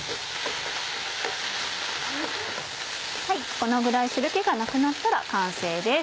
このぐらい汁気がなくなったら完成です。